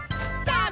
さあ